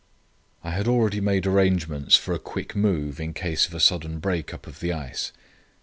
I had already made arrangements for a quick move in case of a sudden break up of the ice.